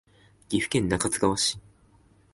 岐阜県中津川市